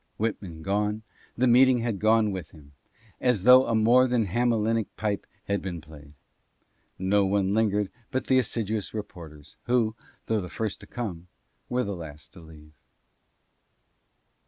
Whitman gone, the meeting had gone w T ith him, as though a more than Hamelinic pipe had been played. No one lingered but the assiduous re porters, who, though the first to come, were the last to leave.